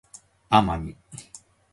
奄美